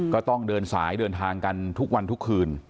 ก็ต้องเดินสายเดินทางกันทุกวันทุกคืน